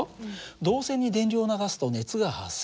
導線に電流を流すと熱が発生するんだよ。